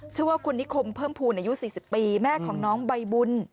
ชื่อว่าคุณนิคมเพิ่มภูมิอายุ๔๐ปีแม่ของน้องใบบุญ